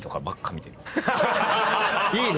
いいね！